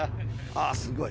あぁすごい。